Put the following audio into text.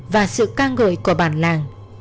và sự ca ngợi của bản làng